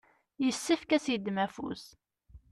yessefk ad s-yeddem afus.